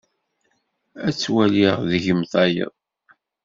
Ad twaliɣ deg-m tayeḍ.